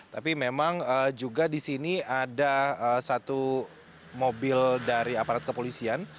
tapi memang juga di sini ada satu mobil dari aparat kepolisian